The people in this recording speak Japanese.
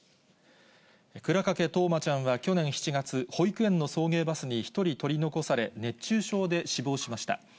倉掛冬生ちゃんは去年７月、保育園の送迎バスに１人取り残され、熱中症で死亡しました。